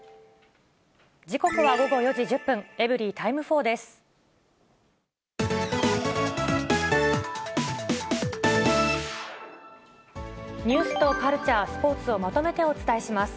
時刻は午後４時１０分、エブリィタイム４です。